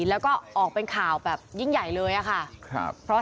แล้วก็ออกเป็นข่าวแบบยิ่งใหญ่เลยอะค่ะ